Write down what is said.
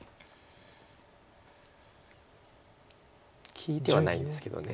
利いてはないんですけど。